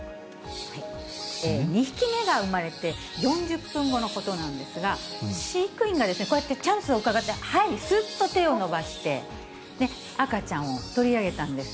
２匹目が産まれて４０分後のことなんですが、飼育員がこうやって、チャンスをうかがって、すっと手を伸ばして、赤ちゃんを取り上げたんです。